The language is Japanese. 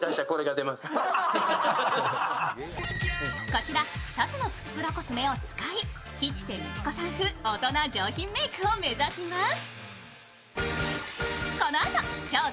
こちら２つのプチプラコスメを使い吉瀬美智子さん風大人上品メークを目指します。